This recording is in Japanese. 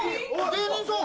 芸人さん！